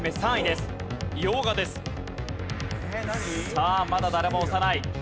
さあまだ誰も押さない。